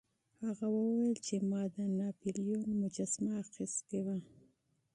هغه وویل چې ما د ناپلیون مجسمه اخیستې وه.